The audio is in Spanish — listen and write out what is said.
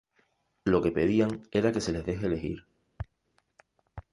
Lo que pedían era que se les deje elegir.